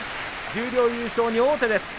十両優勝に王手です。